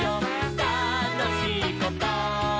「たのしいこと？」